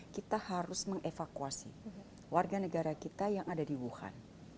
kita harus mengevakuasi warga negara kita yang ada di wuhan